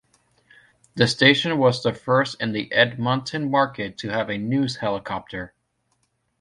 The station was the first in the Edmonton market to have a news helicopter.